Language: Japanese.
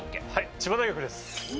千葉大学です。